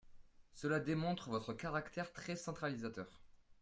Cela démontre votre caractère très centralisateur.